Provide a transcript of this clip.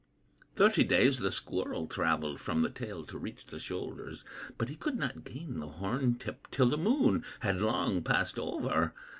Thirty days the squirrel travelled From the tail to reach the shoulders, But he could not gain the horn tip Till the Moon had long passed over.